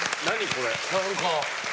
これ。